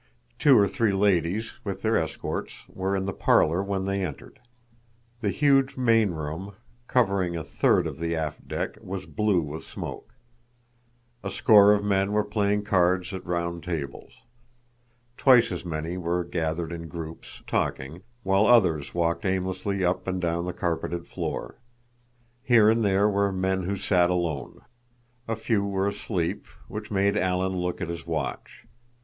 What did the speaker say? Two or three ladies, with their escorts, were in the parlor when they entered. The huge main room, covering a third of the aft deck, was blue with smoke. A score of men were playing cards at round tables. Twice as many were gathered in groups, talking, while others walked aimlessly up and down the carpeted floor. Here and there were men who sat alone. A few were asleep, which made Alan look at his watch.